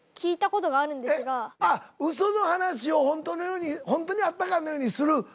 あっウソの話をホントのようにホントにあったかのようにする。